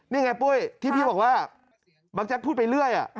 นี่ไงปุ้ยที่พี่บอกว่าบางแจ๊กพูดไปเรื่อย